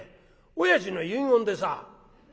おやじの遺言でさ」。